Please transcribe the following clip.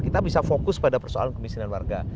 kita bisa fokus pada persoalan kemiskinan warga